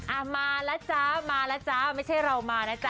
อ่ะมาแล้วจ๊ะมาแล้วจ๊ะไม่ใช่เรามานะจ๊